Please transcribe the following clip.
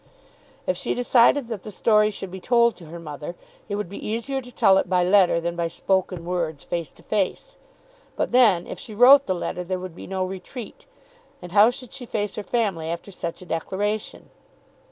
If she decided that the story should be told to her mother it would be easier to tell it by letter than by spoken words, face to face. But then if she wrote the letter there would be no retreat, and how should she face her family after such a declaration?